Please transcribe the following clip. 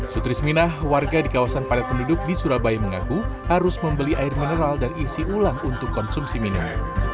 sutris minah warga di kawasan padat penduduk di surabaya mengaku harus membeli air mineral dan isi ulang untuk konsumsi minum